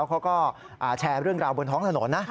เขาก็แชร์เรื่องราวบนท้องถนนนะ